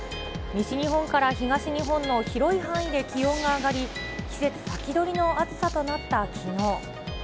西日本から東日本の広い範囲で気温が上がり、季節先取りの暑さとなったきのう。